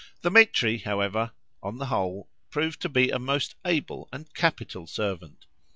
Dthemetri, however, on the whole, proved to be a most able and capital servant.